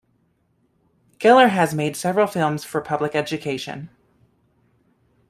Geller has made several films for public education.